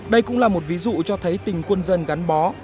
đây cũng là một ví dụ cho thấy tình quân dân gắn bó